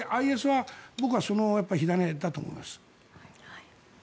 ＩＳは僕はその火種だと思います。